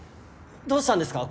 どうしたんですか？